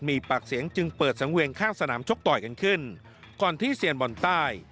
มีปากเสียงจึงเปิดสังเวียงข้างสนามชกต่อยกันขึ้นก่อนที่เซียนบอลใต้